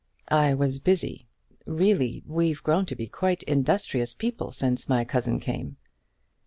"I was busy. Really, we've grown to be quite industrious people since my cousin came."